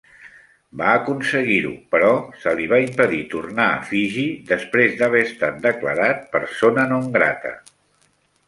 Va aconseguir-ho, però se li va impedir tornar a Fiji, després d'haver estat declarat persona non grata.